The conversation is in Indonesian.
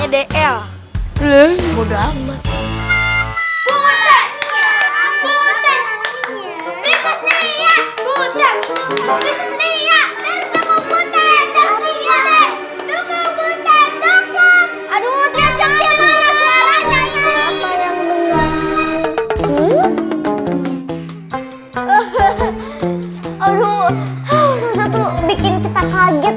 aduh salah satu bikin kita kaget